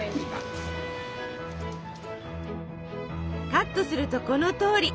カットするとこのとおり。